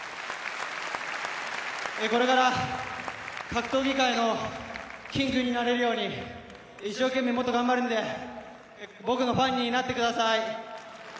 これから格闘技界のキングになれるように一生懸命もっと頑張るので僕のファンになってください。